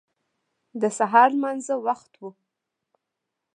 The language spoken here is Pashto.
د سهار لمانځه وخت و.